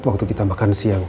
waktu kita makan siang